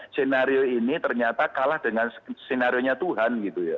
skenario ini ternyata kalah dengan senarionya tuhan gitu ya